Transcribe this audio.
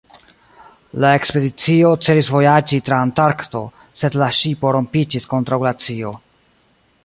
La ekspedicio celis vojaĝi tra Antarkto, sed la ŝipo rompiĝis kontraŭ glacio.